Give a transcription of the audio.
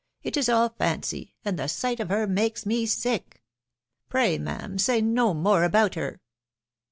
it is all fancy, and the sight of her makes me sick. ... Pray, ma'am, say no more about her."